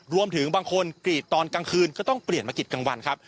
รวมถึงบางคนกรีดตอนกลางคืนก็ต้องเปลี่ยนมากรีดกลางวันครับ